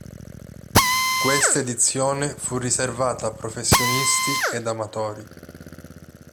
Questa edizione fu riservata a professionisti ed amatori.